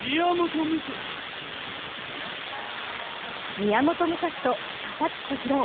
宮本武蔵と佐々木小次郎。